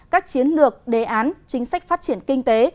các chiến lược đề án chính sách phát triển kinh tế